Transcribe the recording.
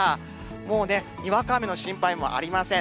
もうね、にわか雨の心配もありません。